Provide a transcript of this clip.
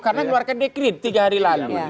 karena mengeluarkan dekret tiga hari lalu